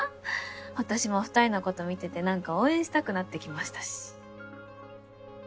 私も２人のこと見てて何か応援したくなってきましたし。